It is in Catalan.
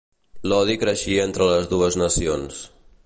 L'odi creixia entre les dues nacions.